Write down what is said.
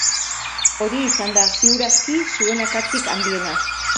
Hori izan da ziur aski zuen akatsik handiena.